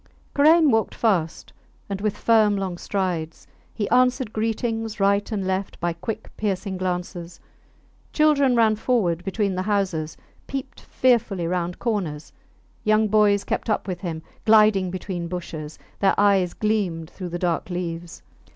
Karain walked fast, and with firm long strides; he answered greetings right and left by quick piercing glances. Children ran forward between the houses, peeped fearfully round corners; young boys kept up with him, gliding between bushes: their eyes gleamed through the dark leaves.